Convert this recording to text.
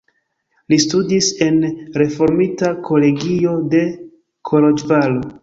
Li studis en reformita kolegio de Koloĵvaro.